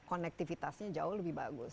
konektivitasnya jauh lebih bagus